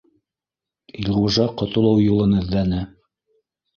Илғужа ҡотолоу юлын эҙләне